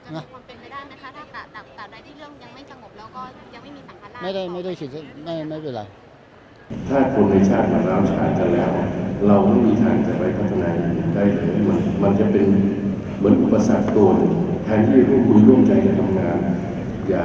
จะมีความเป็นก็ได้นะคะถ้าตามได้ที่เรื่องยังไม่จังหกแล้วก็ยังไม่มีศักดิ์ฐานล่า